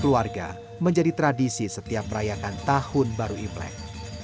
keluarga menjadi tradisi setiap merayakan tahun baru imlek